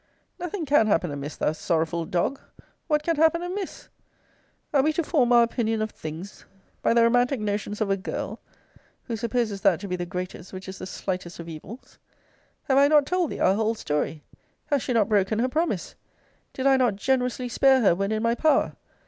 Nothing can happen amiss, thou sorrowful dog! What can happen amiss? Are we to form our opinion of things by the romantic notions of a girl, who supposes that to be the greatest which is the slightest of evils? Have I not told thee our whole story? Has she not broken her promise? Did I not generously spare her, when in my power?